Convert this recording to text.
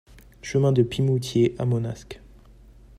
Chemin de Pimoutier à Manosque